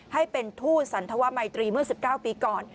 ให้เป็นทูตสันธวมัยตรีเมื่อ๑๙ปีก่อน